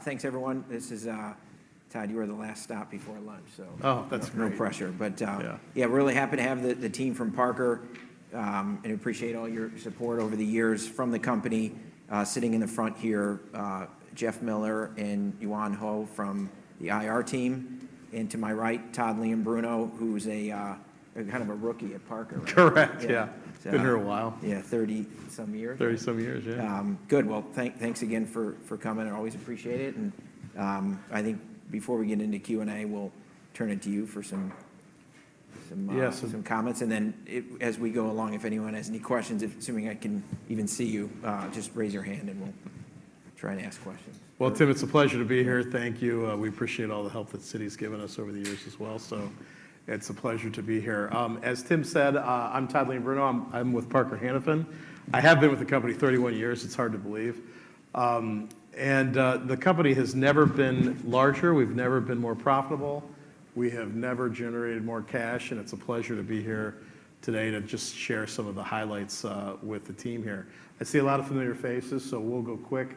Thanks everyone. This is, Todd, you are the last stop before lunch, so- Oh, that's great. No pressure. But, Yeah. Yeah, we're really happy to have the team from Parker, and appreciate all your support over the years from the company. Sitting in the front here, Jeff Miller and Yan Ho from the IR team, and to my right, Todd Leombruno, who's kind of a rookie at Parker. Correct. Yeah. Yeah. Been here a while. Yeah, 30-some years. 30-some years, yeah. Good. Well, thanks again for coming, I always appreciate it. I think before we get into Q&A, we'll turn it to you for some Yeah... some comments, and then as we go along, if anyone has any questions, assuming I can even see you, just raise your hand and we'll try and ask questions. Well, Tim, it's a pleasure to be here. Thank you. We appreciate all the help that the Citi's given us over the years as well, so it's a pleasure to be here. As Tim said, I'm Todd Leombruno. I'm with Parker Hannifin. I have been with the company 31 years. It's hard to believe. The company has never been larger. We've never been more profitable. We have never generated more cash, and it's a pleasure to be here today to just share some of the highlights with the team here. I see a lot of familiar faces, so we'll go quick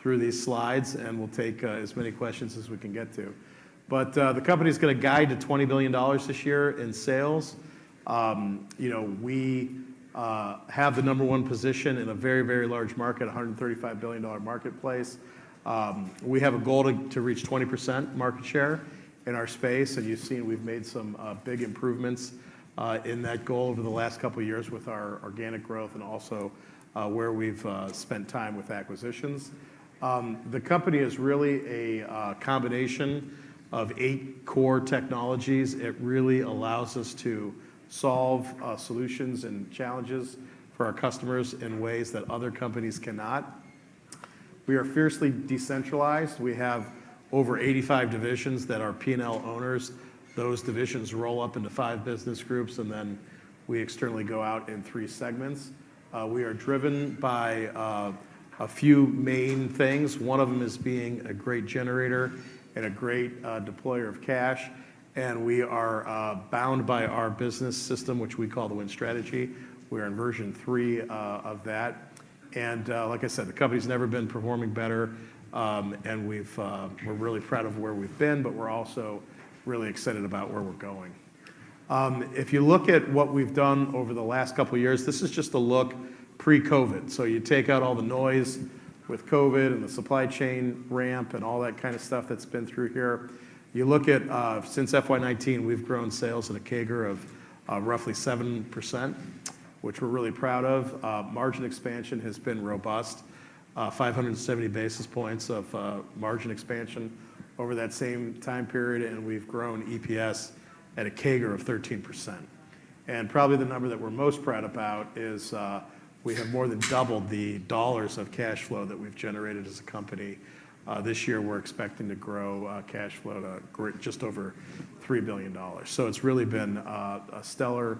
through these slides, and we'll take as many questions as we can get to. The company's got a guide to $20 billion this year in sales. You know, we have the number one position in a very, very large market, a $135 billion marketplace. We have a goal to reach 20% market share in our space, and you've seen we've made some big improvements in that goal over the last couple of years with our organic growth and also where we've spent time with acquisitions. The company is really a combination of eight core technologies. It really allows us to solve solutions and challenges for our customers in ways that other companies cannot. We are fiercely decentralized. We have over 85 divisions that are P&L owners. Those divisions roll up into five business groups, and then we externally go out in three segments. We are driven by a few main things. One of them is being a great generator and a great, deployer of cash, and we are, bound by our business system, which we call the Win Strategy. We're in version three, of that, and, like I said, the company's never been performing better. And we've, we're really proud of where we've been, but we're also really excited about where we're going. If you look at what we've done over the last couple of years, this is just a look pre-COVID. So you take out all the noise with COVID and the supply chain ramp and all that kind of stuff that's been through here. You look at, since FY 2019, we've grown sales at a CAGR of, roughly 7%, which we're really proud of. Margin expansion has been robust, 570 basis points of margin expansion over that same time period, and we've grown EPS at a CAGR of 13%. And probably the number that we're most proud about is, we have more than doubled the dollars of cash flow that we've generated as a company. This year, we're expecting cash flow to grow just over $3 billion. So it's really been a stellar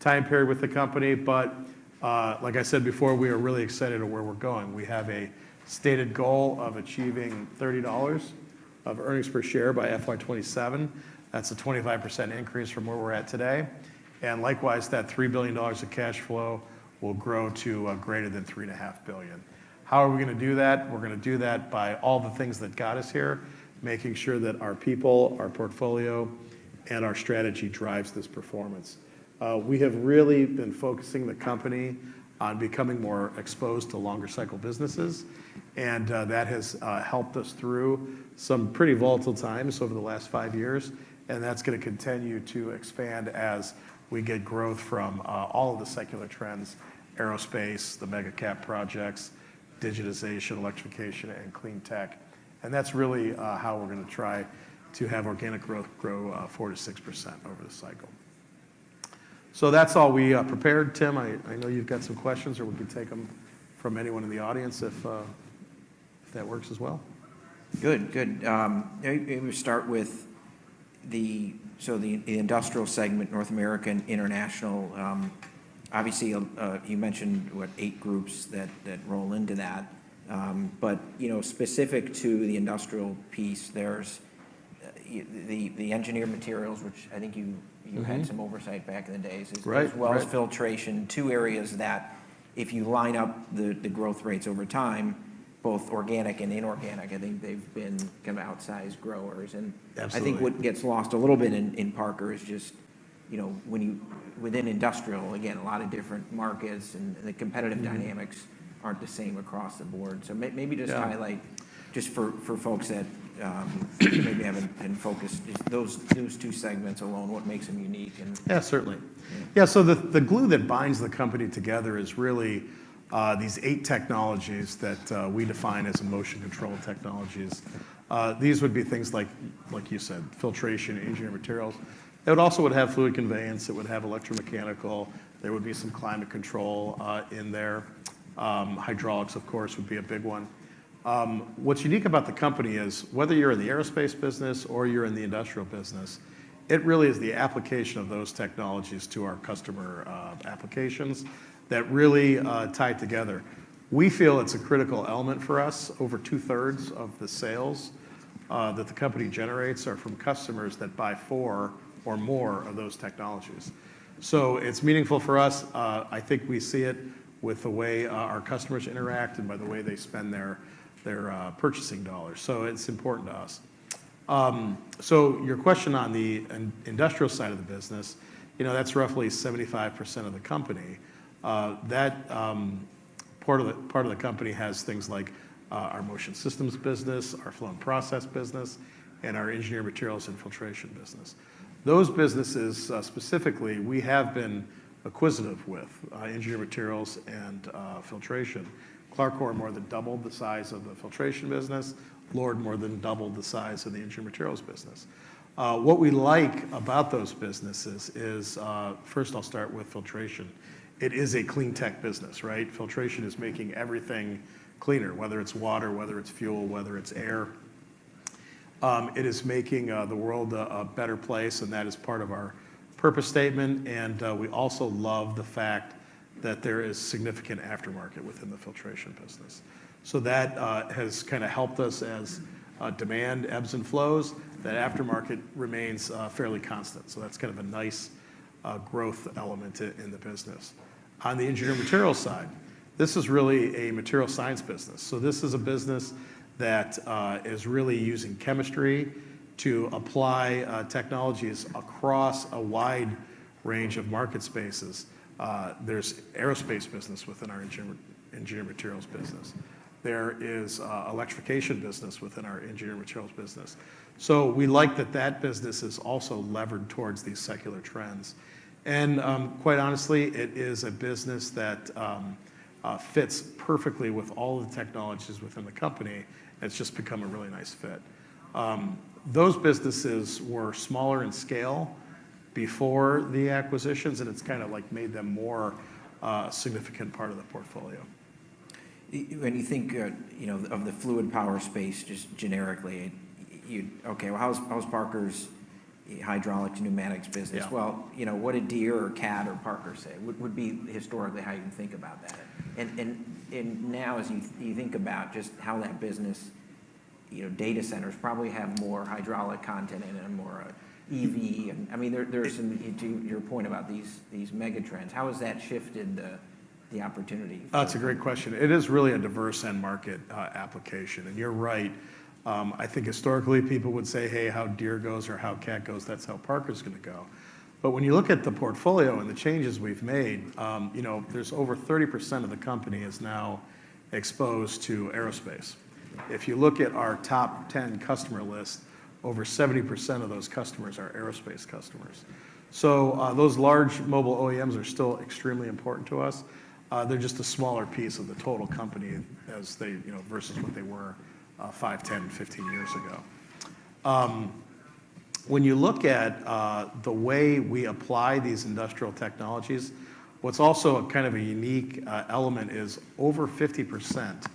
time period with the company. But, like I said before, we are really excited about where we're going. We have a stated goal of achieving $30 of earnings per share by FY 2027. That's a 25% increase from where we're at today, and likewise, that $3 billion of cash flow will grow to greater than $3.5 billion. How are we gonna do that? We're gonna do that by all the things that got us here, making sure that our people, our portfolio, and our strategy drives this performance. We have really been focusing the company on becoming more exposed to longer cycle businesses, and that has helped us through some pretty volatile times over the last five years, and that's gonna continue to expand as we get growth from all of the secular trends: aerospace, the mega CapEx projects, digitization, electrification, and clean tech. And that's really how we're gonna try to have organic growth grow 4%-6% over the cycle. So that's all we prepared. Tim, I know you've got some questions, or we can take them from anyone in the audience, if that works as well. Good. Good. Maybe we start with the... so the Industrial segment, North America, International. Obviously, you mentioned, what, eight groups that roll into that. But, you know, specific to the Industrial piece, there's the Engineered Materials, which I think you- Mm-hmm... you had some oversight back in the days. Right. Right. As well as filtration, two areas that if you line up the growth rates over time, both organic and inorganic, I think they've been kind of outsized growers and- Absolutely... I think what gets lost a little bit in in Parker is just, you know, when you, within industrial, again, a lot of different markets, and the competitive- Mm... dynamics aren't the same across the board. So may- Yeah... maybe just highlight, just for folks that maybe haven't been focused, just those two segments alone, what makes them unique and- Yeah, certainly. Yeah. Yeah, so the glue that binds the company together is really these eight technologies that we define as motion control technologies. These would be things like, like you said, Filtration, Engineered Materials. It would also have Fluid Conveyance, it would have Electromechanical, there would be some climate control in there. Hydraulics, of course, would be a big one. What's unique about the company is whether you're in the Aerospace business or you're in the Industrial business, it really is the application of those technologies to our customer applications that really tie it together. We feel it's a critical element for us. Over two-thirds of the sales that the company generates are from customers that buy four or more of those technologies. So it's meaningful for us. I think we see it with the way our customers interact and by the way they spend their purchasing dollars, so it's important to us. So your question on the industrial side of the business, you know, that's roughly 75% of the company. That part of the company has things like our motion systems business, our flow and process business, and our engineered materials and filtration business. Those businesses specifically, we have been acquisitive with engineered materials and filtration. CLARCOR more than doubled the size of the filtration business. LORD more than doubled the size of the engineered materials business. What we like about those businesses is, first I'll start with filtration. It is a clean tech business, right? Filtration is making everything cleaner, whether it's water, whether it's fuel, whether it's air. It is making the world a better place, and that is part of our purpose statement, and we also love the fact that there is significant aftermarket within the filtration business. So that has kinda helped us as demand ebbs and flows, that aftermarket remains fairly constant, so that's kind of a nice growth element in the business. On the Engineered Materials side, this is really a materials science business. So this is a business that is really using chemistry to apply technologies across a wide range of market spaces. There's aerospace business within our Engineered Materials business. There is an electrification business within our Engineered Materials business. So we like that that business is also levered towards these secular trends. Quite honestly, it is a business that fits perfectly with all the technologies within the company, and it's just become a really nice fit. Those businesses were smaller in scale before the acquisitions, and it's kinda, like, made them more significant part of the portfolio. When you think, you know, of the fluid power space, just generically, you... Okay, how's Parker's hydraulics and pneumatics business? Yeah. Well, you know, what did Deere or Cat or Parker say? Would be historically how you think about that. And now, as you think about just how that business, you know, data centers probably have more hydraulic content in it and more EV, and I mean, there are some to your point about these megatrends, how has that shifted the opportunity? It's a great question. It is really a diverse end market, application, and you're right. I think historically people would say, "Hey, how Deere goes or how Cat goes, that's how Parker's gonna go." But when you look at the portfolio and the changes we've made, you know, there's over 30% of the company is now exposed to Aerospace. If you look at our top 10 customer list, over 70% of those customers are Aerospace customers. So, those large mobile OEMs are still extremely important to us. They're just a smaller piece of the total company as they, you know, versus what they were, five, 10, 15 years ago. When you look at the way we apply these industrial technologies, what's also a kind of a unique element is over 50%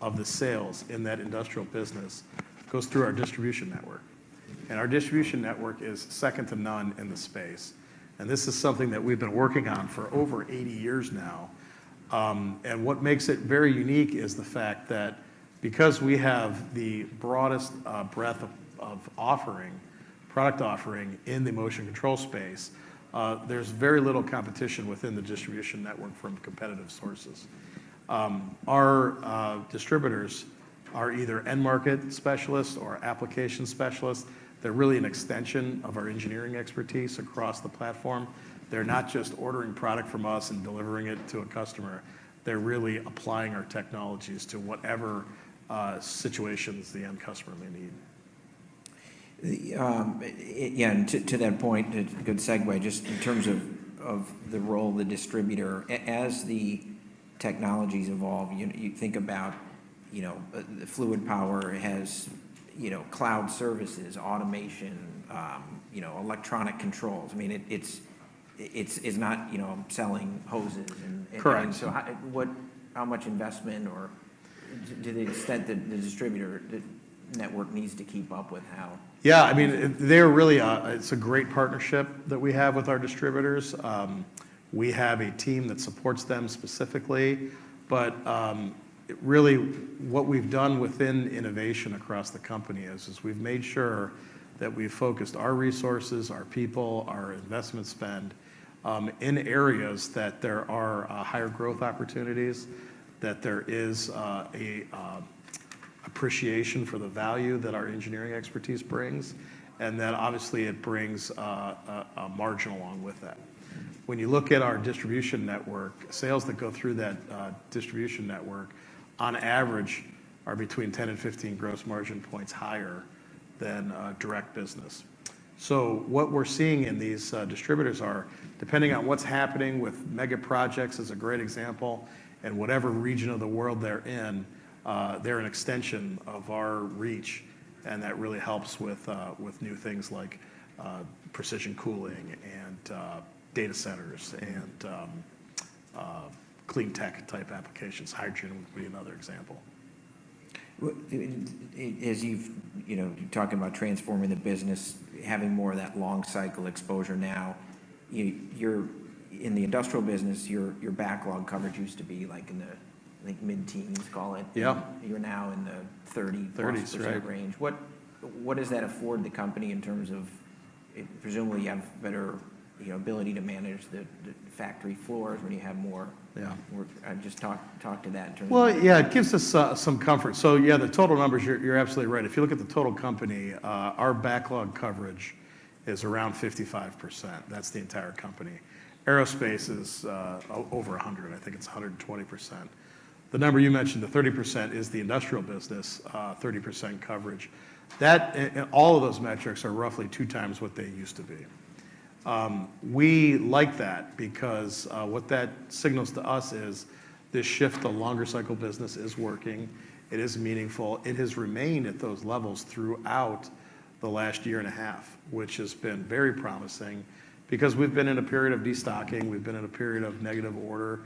of the sales in that industrial business goes through our distribution network, and our distribution network is second to none in the space, and this is something that we've been working on for over 80 years now. What makes it very unique is the fact that because we have the broadest breadth of offering, product offering in the motion control space, there's very little competition within the distribution network from competitive sources. Our distributors are either end market specialists or application specialists. They're really an extension of our engineering expertise across the platform. They're not just ordering product from us and delivering it to a customer. They're really applying our technologies to whatever, situations the end customer may need. Yeah, and to that point, a good segue, just in terms of the role of the distributor, as the technologies evolve, you think about, you know, the fluid power has, you know, cloud services, automation, you know, electronic controls. I mean, it's not, you know, selling hoses and- Correct. So, how much investment or to the extent that the distributor network needs to keep up with how? Yeah, I mean, they're really, it's a great partnership that we have with our distributors. We have a team that supports them specifically, but really, what we've done within innovation across the company is we've made sure that we've focused our resources, our people, our investment spend, in areas that there are higher growth opportunities, that there is a appreciation for the value that our engineering expertise brings, and that obviously it brings a margin along with that. When you look at our distribution network, sales that go through that distribution network, on average, are between 10 and 15 gross margin points higher than direct business. So what we're seeing in these distributors are, depending on what's happening with mega projects, is a great example, and whatever region of the world they're in, they're an extension of our reach, and that really helps with new things like precision cooling and data centers and clean tech-type applications. Hydrogen would be another example. As you've, you know, you're talking about transforming the business, having more of that long cycle exposure now... You're in the industrial business. Your backlog coverage used to be like in the, I think, mid-teens, call it. Yeah. You're now in the thirty- Thirties, right... plus percent range. What, what does that afford the company in terms of, presumably, you have better, you know, ability to manage the, the factory floors when you have more- Yeah More... Just talk, talk to that in terms of- Well, yeah, it gives us some comfort. So yeah, the total numbers, you're absolutely right. If you look at the total company, our backlog coverage is around 55%. That's the entire company. Aerospace is over a hundred. I think it's 120%. The number you mentioned, the 30%, is the industrial business, 30% coverage. That, and all of those metrics are roughly two times what they used to be. We like that because what that signals to us is this shift to longer cycle business is working, it is meaningful. It has remained at those levels throughout the last year and a half, which has been very promising because we've been in a period of destocking, we've been in a period of negative order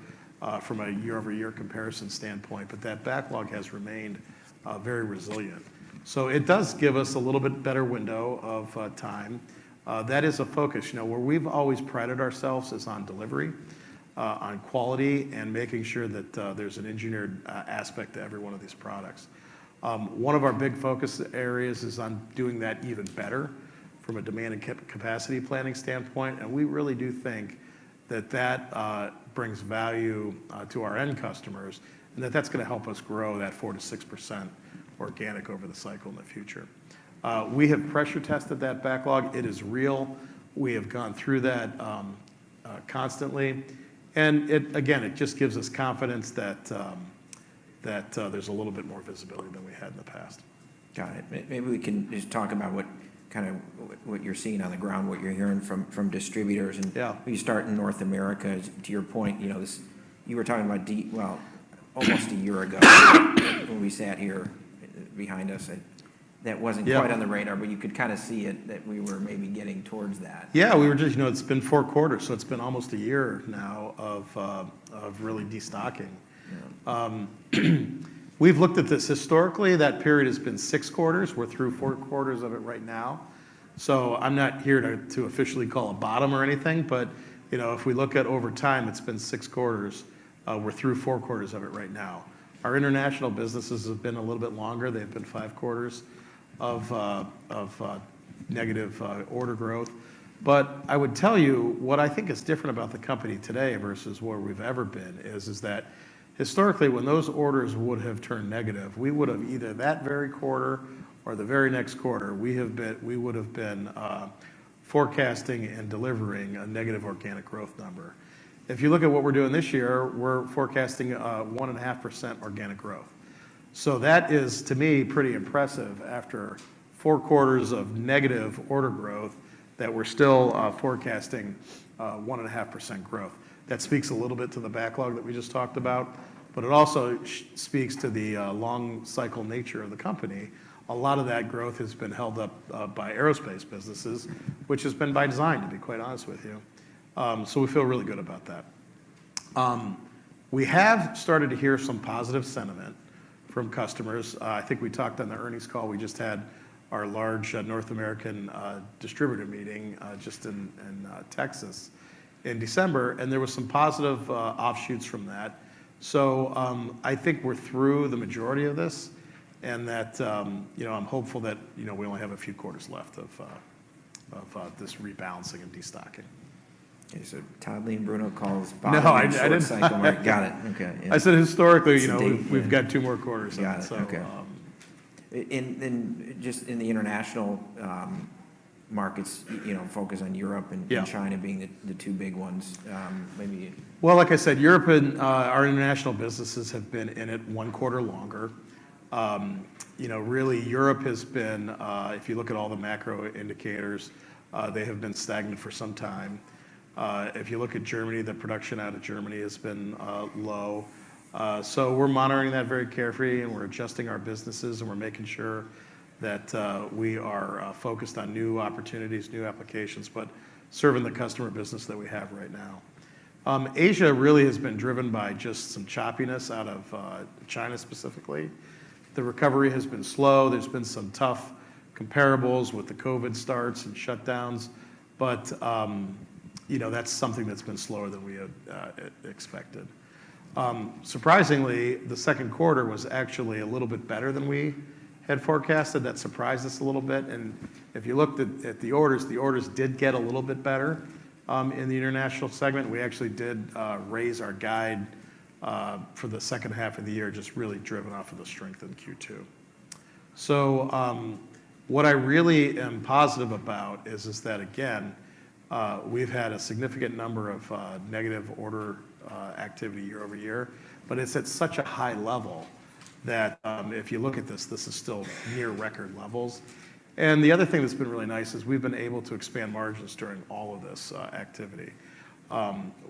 from a year-over-year comparison standpoint, but that backlog has remained very resilient. So it does give us a little bit better window of time. That is a focus. You know, where we've always prided ourselves is on delivery on quality, and making sure that there's an engineered aspect to every one of these products. One of our big focus areas is on doing that even better from a demand and capacity planning standpoint, and we really do think that that brings value to our end customers, and that that's gonna help us grow that 4%-6% organic over the cycle in the future. We have pressure tested that backlog. It is real. We have gone through that constantly, and it, again, it just gives us confidence that that there's a little bit more visibility than we had in the past. Got it. Maybe we can just talk about what, kind of what, what you're seeing on the ground, what you're hearing from distributors, and- Yeah... we start in North America. To your point, you know, this, you were talking about destocking, well, almost a year ago, when we sat here, behind us, that wasn't- Yeah Quite on the radar, but you could kind of see it, that we were maybe getting towards that. Yeah, we were just. You know, it's been four quarters, so it's been almost a year now of really destocking. Yeah. We've looked at this historically. That period has been six quarters. We're through four quarters of it right now, so I'm not here to officially call a bottom or anything, but you know, if we look at over time, it's been six quarters. We're through four quarters of it right now. Our international businesses have been a little bit longer. They've been five quarters of negative order growth. But I would tell you, what I think is different about the company today versus where we've ever been is that historically, when those orders would have turned negative, we would've, either that very quarter or the very next quarter, we would've been forecasting and delivering a negative organic growth number. If you look at what we're doing this year, we're forecasting a 1.5% organic growth. So that is, to me, pretty impressive after four quarters of negative order growth, that we're still forecasting 1.5% growth. That speaks a little bit to the backlog that we just talked about, but it also speaks to the long cycle nature of the company. A lot of that growth has been held up by Aerospace businesses, which has been by design, to be quite honest with you. We have started to hear some positive sentiment from customers. I think we talked on the earnings call; we just had our large North American distributor meeting just in Texas in December, and there was some positive offshoots from that. So, I think we're through the majority of this, and that, you know, I'm hopeful that, you know, we only have a few quarters left of this rebalancing and destocking. Okay, so Todd Leombruno calls bottom- No, I didn't. Got it. Okay. I said historically, you know- Deep... we've got two more quarters. Got it. So, um- Okay. And just in the International markets, you know, focus on Europe- Yeah -and China being the two big ones, maybe- Well, like I said, Europe and our international businesses have been in it one quarter longer. You know, really, Europe has been, if you look at all the macro indicators, they have been stagnant for some time. If you look at Germany, the production out of Germany has been low. So we're monitoring that very carefully, and we're adjusting our businesses, and we're making sure that we are focused on new opportunities, new applications, but serving the customer business that we have right now. Asia really has been driven by just some choppiness out of China, specifically. The recovery has been slow. There's been some tough comparables with the Covid starts and shutdowns, but you know, that's something that's been slower than we had expected. Surprisingly, the second quarter was actually a little bit better than we had forecasted. That surprised us a little bit, and if you looked at the orders, the orders did get a little bit better in the International segment. We actually did raise our guide for the second half of the year, just really driven off of the strength of Q2. So, what I really am positive about is that, again, we've had a significant number of negative order activity year-over-year, but it's at such a high level that if you look at this, this is still near record levels. And the other thing that's been really nice is we've been able to expand margins during all of this activity.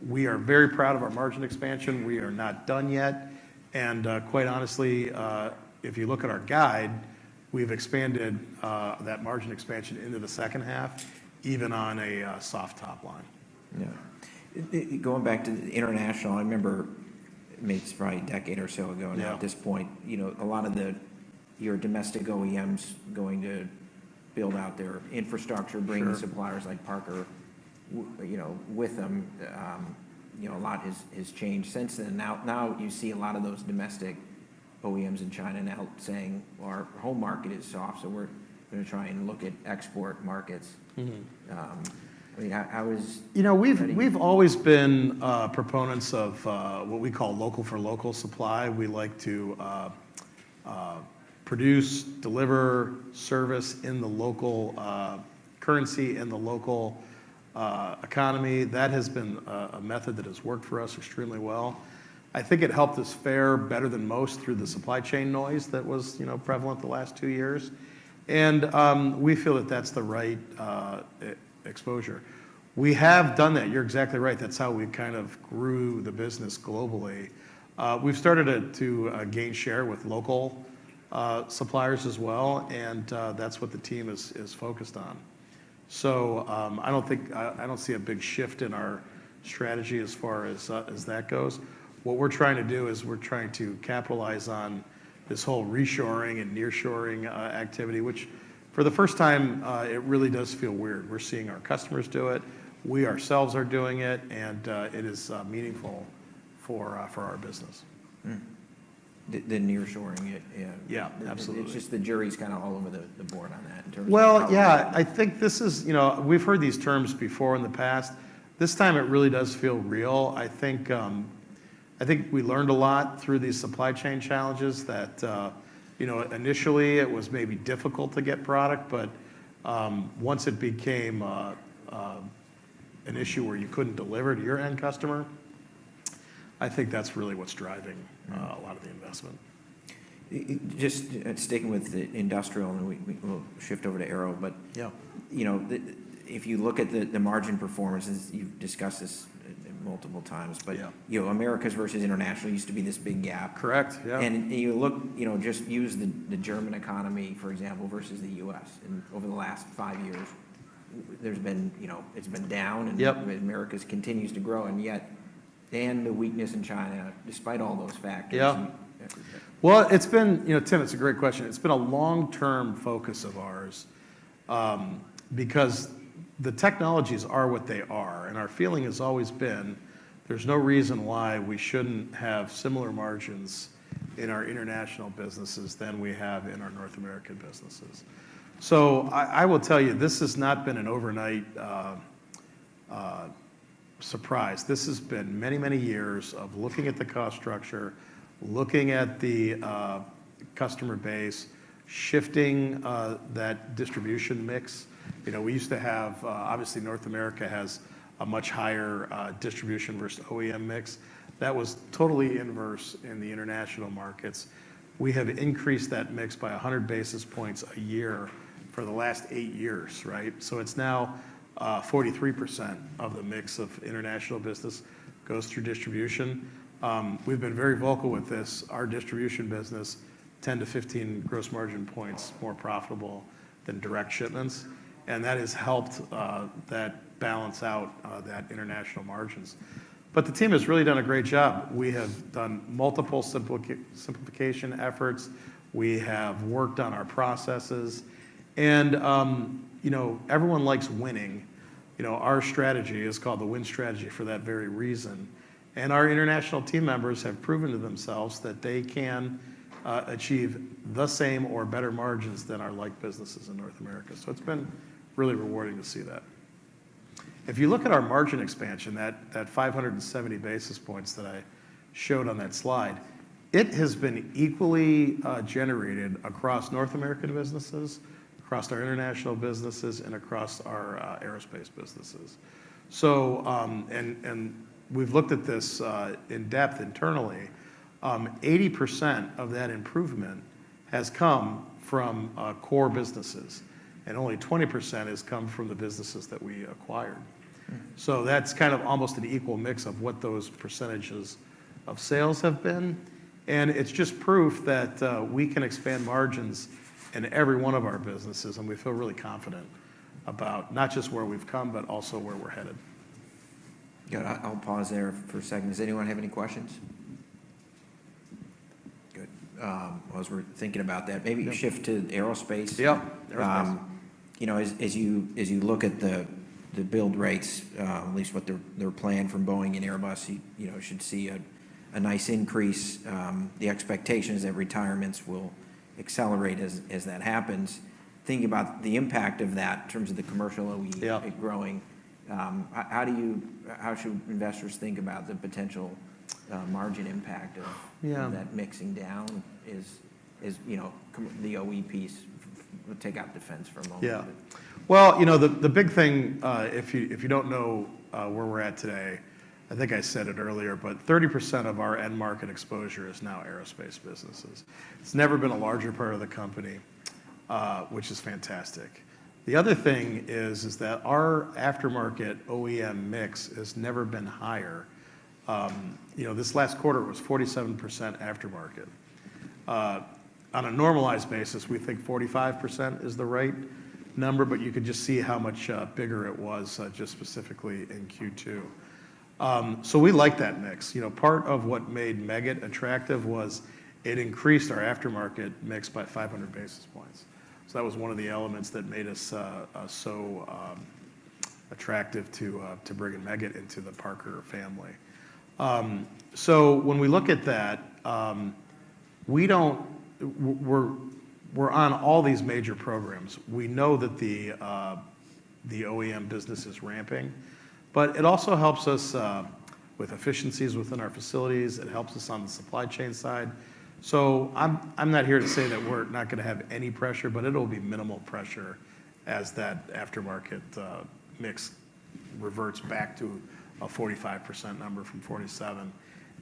We are very proud of our margin expansion. We are not done yet, and quite honestly, if you look at our guide, we've expanded that margin expansion into the second half, even on a soft top line. Yeah. Going back to International, I remember it makes probably a decade or so ago. Yeah. Now, at this point, you know, a lot of the, your domestic OEMs going to build out their infrastructure- Sure... bringing suppliers like Parker, you know, with them. You know, a lot has changed since then. Now you see a lot of those domestic OEMs in China saying, "Our home market is soft, so we're gonna try and look at export markets. Mm-hmm. I mean, how is- You know, we've- How do you-... we've always been proponents of what we call local for local supply. We like to produce, deliver service in the local currency, in the local economy. That has been a method that has worked for us extremely well. I think it helped us fare better than most through the supply chain noise that was, you know, prevalent the last two years. And we feel that that's the right exposure. We have done that. You're exactly right. That's how we kind of grew the business globally. We've started to gain share with local suppliers as well, and that's what the team is focused on. So, I don't think... I don't see a big shift in our strategy as far as that goes. What we're trying to do is we're trying to capitalize on this whole reshoring and nearshoring activity, which for the first time it really does feel weird. We're seeing our customers do it, we ourselves are doing it, and it is meaningful for our business. The nearshoring it, yeah. Yeah, absolutely. It's just the jury's kind of all over the board on that in terms of- Well, yeah, I think this is, you know, we've heard these terms before in the past. This time it really does feel real. I think we learned a lot through these supply chain challenges that, you know, initially it was maybe difficult to get product, but once it became an issue where you couldn't deliver to your end customer, I think that's really what's driving- Mm... a lot of the investment. Just sticking with the Industrial, and we, we will shift over to Aero, but- Yeah... you know, if you look at the margin performances, you've discussed this multiple times, but- Yeah... you know, Americas versus International used to be this big gap. Correct. Yeah. You look, you know, just use the German economy, for example, versus the U.S., and over the last five years, there's been, you know, it's been down- Yep... and the Americas continues to grow, yet the weakness in China, despite all those factors- Yeah... uh. Well, it's been, you know, Tim, it's a great question. It's been a long-term focus of ours, because the technologies are what they are, and our feeling has always been, there's no reason why we shouldn't have similar margins in our International businesses than we have in our North American businesses. So I will tell you, this has not been an overnight surprise. This has been many, many years of looking at the cost structure, looking at the customer base, shifting that distribution mix. You know, we used to have... Obviously, North America has a much higher distribution versus OEM mix. That was totally inverse in the international markets. We have increased that mix by 100 basis points a year for the last eight years, right? So it's now 43% of the mix of International business goes through distribution. We've been very vocal with this, our distribution business, 10-15 gross margin points more profitable than direct shipments, and that has helped that balance out that international margins. But the team has really done a great job. We have done multiple simplification efforts. We have worked on our processes and, you know, everyone likes winning. You know, our strategy is called the Win Strategy for that very reason, and our international team members have proven to themselves that they can achieve the same or better margins than our like businesses in North America. So it's been really rewarding to see that. If you look at our margin expansion, that 570 basis points that I showed on that slide, it has been equally generated across North American businesses, across our international businesses, and across our Aerospace businesses. We've looked at this in depth internally. 80% of that improvement has come from our core businesses, and only 20% has come from the businesses that we acquired. Mm. So that's kind of almost an equal mix of what those percentages of sales have been, and it's just proof that we can expand margins in every one of our businesses, and we feel really confident about not just where we've come, but also where we're headed. Yeah, I'll, I'll pause there for a second. Does anyone have any questions? Good. As we're thinking about that, maybe- Yeah... shift to Aerospace. Yep, aerospace. You know, as you look at the build rates, at least what they're planned from Boeing and Airbus, you know, should see a nice increase. The expectation is that retirements will accelerate as that happens. Thinking about the impact of that in terms of the commercial OE- Yeah... growing, how do you, how should investors think about the potential margin impact of- Yeah... that mixing down is, you know, the OE piece, take out defense for a moment? Yeah. Well, you know, the big thing, if you don't know where we're at today, I think I said it earlier, but 30% of our end market exposure is now Aerospace businesses. It's never been a larger part of the company, which is fantastic. The other thing is that our Aftermarket OEM mix has never been higher. You know, this last quarter was 47% Aftermarket. On a normalized basis, we think 45% is the right number, but you can just see how much bigger it was, just specifically in Q2. So we like that mix. You know, part of what made Meggitt attractive was it increased our Aftermarket mix by 500 basis points. So that was one of the elements that made us so attractive to bringing Meggitt into the Parker family. So when we look at that, we're on all these major programs. We know that the OEM business is ramping, but it also helps us with efficiencies within our facilities. It helps us on the supply chain side. So I'm not here to say that we're not gonna have any pressure, but it'll be minimal pressure as that aftermarket mix reverts back to a 45% number from 47.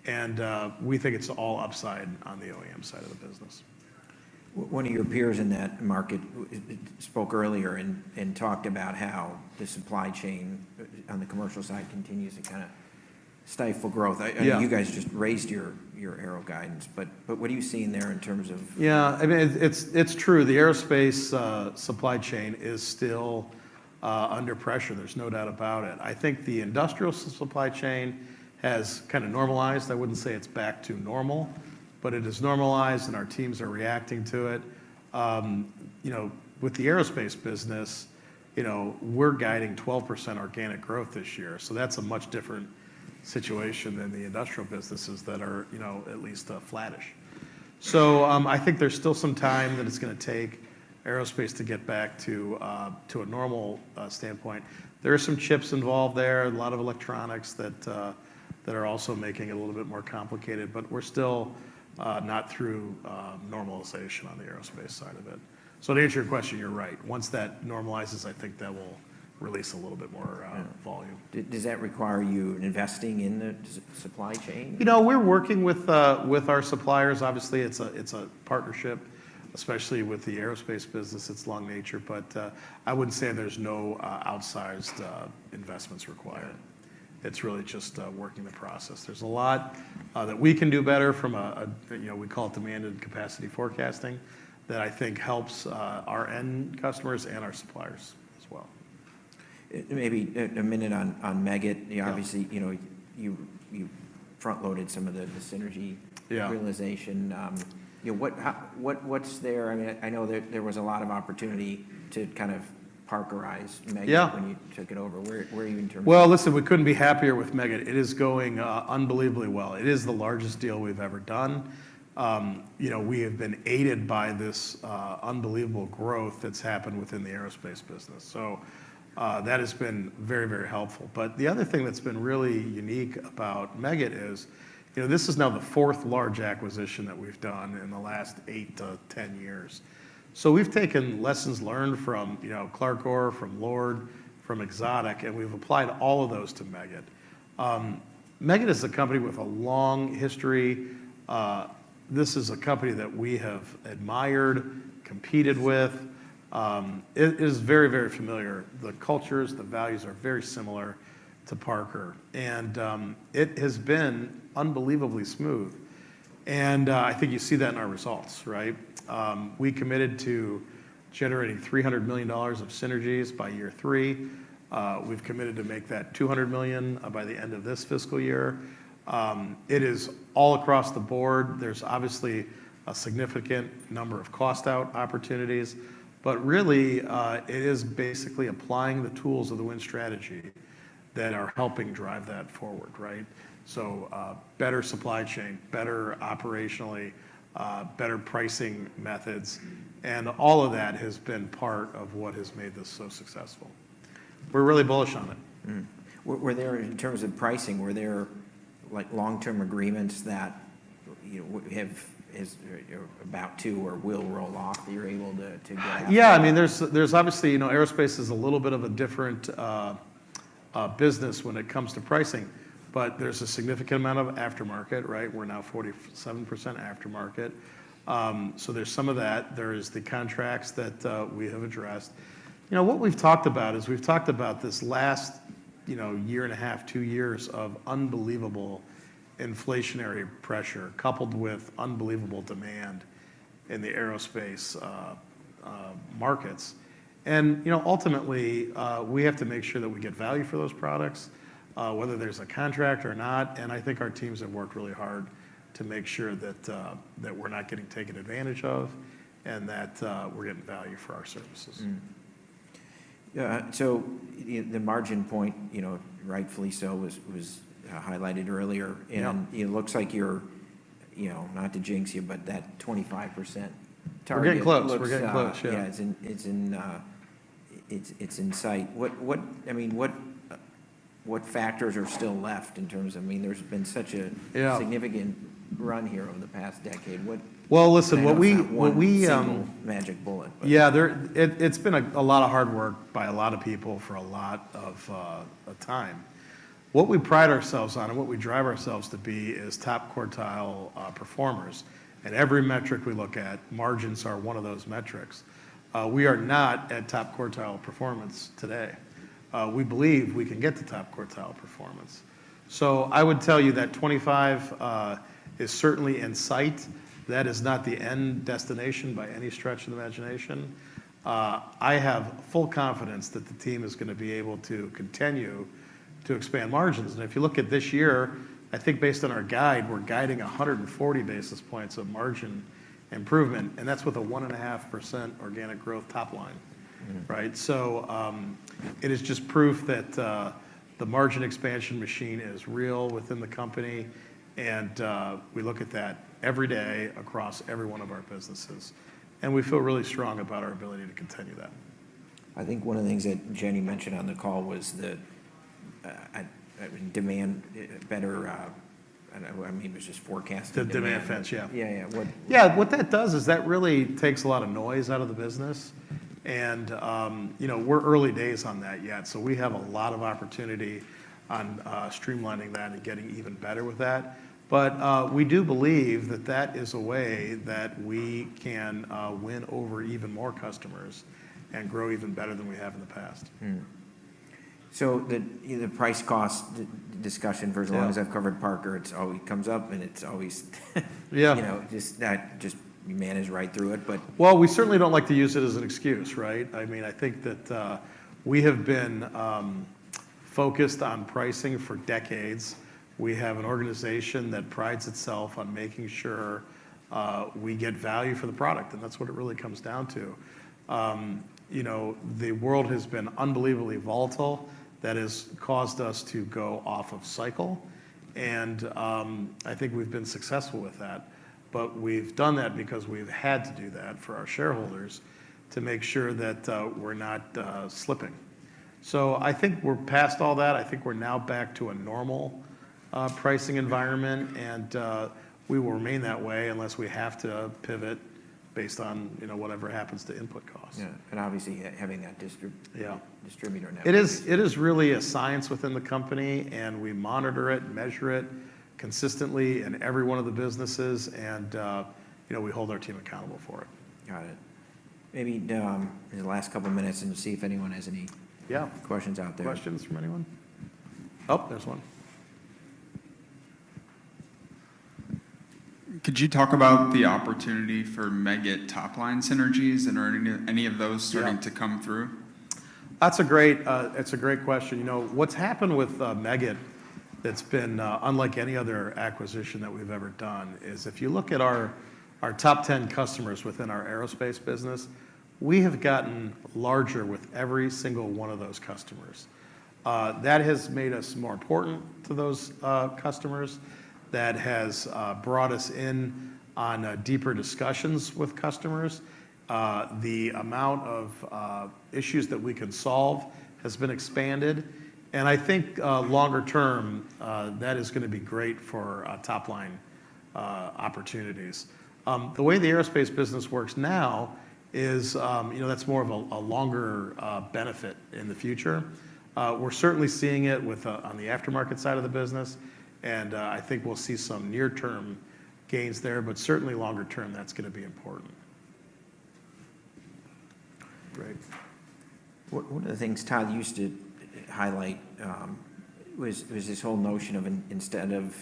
And we think it's all upside on the OEM side of the business. One of your peers in that market spoke earlier and talked about how the supply chain on the commercial side continues to kinda stifle growth. Yeah. And you guys just raised your aero guidance, but what are you seeing there in terms of? Yeah, I mean, it's true. The Aerospace supply chain is still under pressure. There's no doubt about it. I think the Industrial supply chain has kinda normalized. I wouldn't say it's back to normal, but it is normalized, and our teams are reacting to it. You know, with the Aerospace business, you know, we're guiding 12% organic growth this year, so that's a much different situation than the Industrial businesses that are, you know, at least flattish. So, I think there's still some time that it's gonna take Aerospace to get back to a normal standpoint. There are some chips involved there, a lot of electronics that are also making it a little bit more complicated, but we're still not through normalization on the Aerospace side of it. To answer your question, you're right. Once that normalizes, I think that will release a little bit more volume. Does that require you investing in the supply chain? You know, we're working with our suppliers. Obviously, it's a partnership, especially with the Aerospace business, its long nature. But, I wouldn't say there's no outsized investments required. Yeah. It's really just working the process. There's a lot that we can do better from a, you know, we call it demand and capacity forecasting, that I think helps our end customers and our suppliers as well. Maybe a minute on Meggitt. Yeah. Obviously, you know, you front-loaded some of the synergy- Yeah... realization. You know, what, how, what's there? I mean, I know there was a lot of opportunity to kind of Parkerize Meggitt- Yeah... when you took it over. Where, where are you in terms of- Well, listen, we couldn't be happier with Meggitt. It is going unbelievably well. It is the largest deal we've ever done. You know, we have been aided by this unbelievable growth that's happened within the Aerospace business, so that has been very, very helpful. But the other thing that's been really unique about Meggitt is, you know, this is now the fourth large acquisition that we've done in the last 8-10 years. So we've taken lessons learned from, you know, CLARCOR or from Lord, from Exotic, and we've applied all of those to Meggitt. Meggitt is a company with a long history. This is a company that we have admired, competed with. It is very, very familiar. The cultures, the values are very similar to Parker, and, it has been unbelievably smooth, and, I think you see that in our results, right? We committed to generating $300 million of synergies by year three. We've committed to make that $200 million, by the end of this fiscal year. It is all across the board. There's obviously a significant number of cost out opportunities, but really, it is basically applying the tools of the Win Strategy that are helping drive that forward, right? So, better supply chain, better operationally, better pricing methods, and all of that has been part of what has made this so successful. We're really bullish on it. Mm-hmm. Were there, in terms of pricing, were there, like, long-term agreements that, you know, have is about to or will roll off, that you're able to get out? Yeah, I mean, there's obviously, you know, aerospace is a little bit of a different business when it comes to pricing, but there's a significant amount of aftermarket, right? We're now 47% aftermarket. So there's some of that. There is the contracts that we have addressed. You know, what we've talked about is we've talked about this last, you know, year and a half, two years of unbelievable inflationary pressure, coupled with unbelievable demand in the aerospace markets. And, you know, ultimately, we have to make sure that we get value for those products, whether there's a contract or not, and I think our teams have worked really hard to make sure that we're not getting taken advantage of, and that we're getting value for our services. Yeah, so the margin point, you know, rightfully so, was highlighted earlier. Yeah. It looks like you're, you know, not to jinx you, but that 25% target- We're getting close. We're getting close.... yeah, it's in sight. What, I mean, what factors are still left in terms of... I mean, there's been such a- Yeah... significant run here over the past decade. What- Well, listen, what we single magic bullet, but- Yeah, it, it's been a lot of hard work by a lot of people for a lot of time. What we pride ourselves on, and what we drive ourselves to be, is top quartile performers. At every metric we look at, margins are one of those metrics. We are not at top quartile performance today. We believe we can get to top quartile performance. So I would tell you that 25 is certainly in sight. That is not the end destination by any stretch of the imagination. I have full confidence that the team is gonna be able to continue to expand margins. And if you look at this year, I think based on our guide, we're guiding 140 basis points of margin improvement, and that's with a 1.5% organic growth top line. Mm. Right? So, it is just proof that the margin expansion machine is real within the company, and we look at that every day across every one of our businesses, and we feel really strong about our ability to continue that. I think one of the things that Jenny mentioned on the call was that, I mean, demand better. I know, I mean, it was just forecasting- The demand fence, yeah. Yeah, yeah. What- Yeah, what that does is that really takes a lot of noise out of the business. And, you know, we're early days on that yet, so we have a lot of opportunity on streamlining that and getting even better with that. But, we do believe that that is a way that we can win over even more customers and grow even better than we have in the past. So the price cost discussion- Yeah... for as long as I've covered Parker, it's always come up, and it's always - Yeah... you know, just not, just you manage right through it, but- Well, we certainly don't like to use it as an excuse, right? I mean, I think that, we have been, focused on pricing for decades. We have an organization that prides itself on making sure, we get value for the product, and that's what it really comes down to. You know, the world has been unbelievably volatile. That has caused us to go off of cycle, and, I think we've been successful with that. But we've done that because we've had to do that for our shareholders to make sure that, we're not, slipping. So I think we're past all that. I think we're now back to a normal, pricing environment, and, we will remain that way unless we have to pivot based on, you know, whatever happens to input costs. Yeah, and obviously, having that distri- Yeah... distributor network. It is, it is really a science within the company, and we monitor it, measure it consistently in every one of the businesses and, you know, we hold our team accountable for it. Got it. Maybe, in the last couple of minutes and see if anyone has any- Yeah... questions out there. Questions from anyone? Oh, there's one. Could you talk about the opportunity for Meggitt top-line synergies, and are any of those starting to come through? That's a great, that's a great question. You know, what's happened with Meggitt, that's been unlike any other acquisition that we've ever done, is if you look at our, our top 10 customers within our Aerospace business, we have gotten larger with every single one of those customers. That has made us more important to those customers. That has brought us in on deeper discussions with customers. The amount of issues that we can solve has been expanded, and I think, longer term, that is gonna be great for top-line opportunities. The way the aerospace business works now is, you know, that's more of a longer benefit in the future. We're certainly seeing it with on the aftermarket side of the business, and I think we'll see some near-term gains there, but certainly longer term, that's gonna be important. Great. One of the things Todd used to highlight was this whole notion of instead of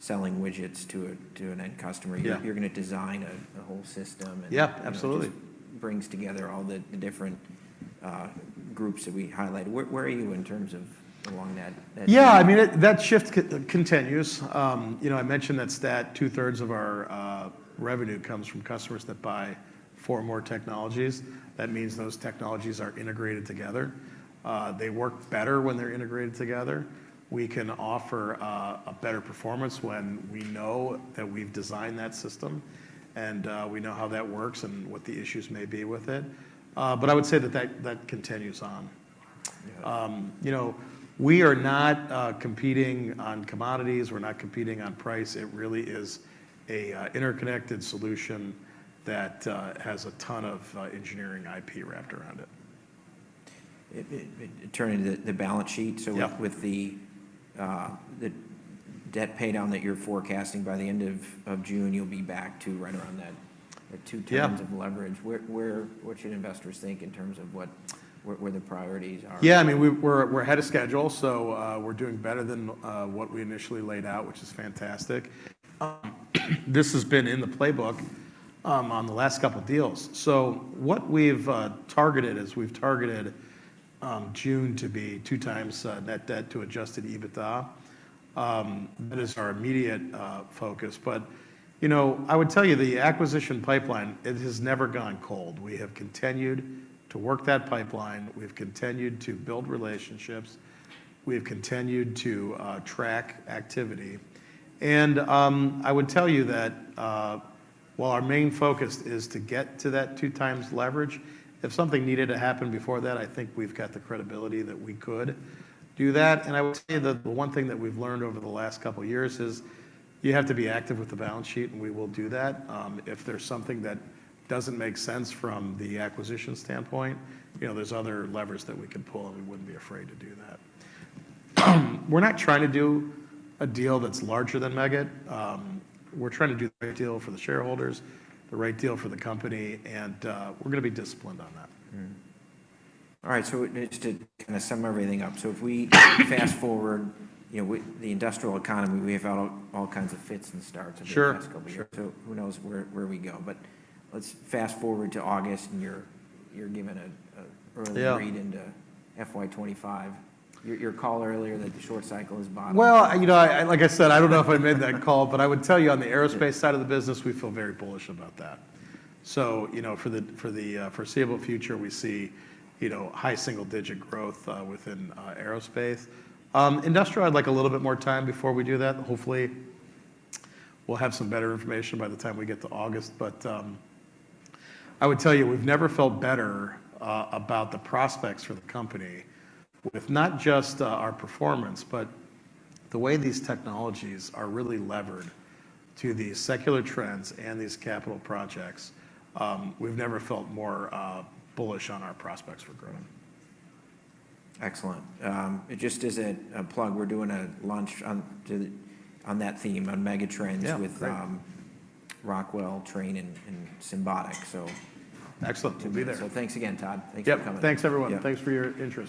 selling widgets to an end customer- Yeah... you're gonna design a whole system and- Yeah, absolutely... it just brings together all the different groups that we highlighted. Where are you in terms of along that- Yeah, I mean, that shift continues. You know, I mentioned that stat, two-thirds of our revenue comes from customers that buy four or more technologies. That means those technologies are integrated together. They work better when they're integrated together. We can offer a better performance when we know that we've designed that system, and we know how that works and what the issues may be with it. But I would say that continues on. Yeah. You know, we are not competing on commodities. We're not competing on price. It really is a interconnected solution that has a ton of engineering IP wrapped around it. Turning to the balance sheet. Yeah... so with the debt paydown that you're forecasting, by the end of June, you'll be back to right around that 2x- Yeah... of leverage. What should investors think in terms of where the priorities are? Yeah, I mean, we're ahead of schedule, so we're doing better than what we initially laid out, which is fantastic. This has been in the playbook on the last couple deals. So what we've targeted is June to be 2x net debt to adjusted EBITDA. That is our immediate focus. But, you know, I would tell you, the acquisition pipeline, it has never gone cold. We have continued to work that pipeline. We've continued to build relationships. We have continued to track activity, and I would tell you that while our main focus is to get to that 2x leverage, if something needed to happen before that, I think we've got the credibility that we could do that. And I will tell you that the one thing that we've learned over the last couple years is, you have to be active with the balance sheet, and we will do that. If there's something that doesn't make sense from the acquisition standpoint, you know, there's other levers that we can pull, and we wouldn't be afraid to do that. We're not trying to do a deal that's larger than Meggitt. We're trying to do the right deal for the shareholders, the right deal for the company, and, we're gonna be disciplined on that. Mm-hmm. All right, so just to kinda sum everything up: so if we fast-forward, you know, with the industrial economy, we have all kinds of fits and starts- Sure... over the past couple years. Sure. So who knows where we go? But let's fast-forward to August, and you're giving a early- Yeah... read into FY 2025. Your call earlier that the Short cycle is bottom- Well, you know, I, like I said, I don't know if I made that call, but I would tell you, on the Aerospace side of the business, we feel very bullish about that. So, you know, for the foreseeable future, we see, you know, high single-digit growth within Aerospace. Industrial, I'd like a little bit more time before we do that. Hopefully, we'll have some better information by the time we get to August, but I would tell you, we've never felt better about the prospects for the company with not just our performance, but the way these technologies are really levered to these secular trends and these capital projects. We've never felt more bullish on our prospects for growing. Excellent. It just is a plug. We're doing a launch on that theme, on megatrends- Yeah, great... with Rockwell, Trane, and Symbotic, so- Excellent. We'll be there. Thanks again, Todd. Yep. Thanks for coming. Thanks, everyone. Yep. Thanks for your interest.